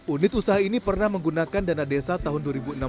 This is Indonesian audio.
unit usaha ini pernah menggunakan dana desa tahun dua ribu enam belas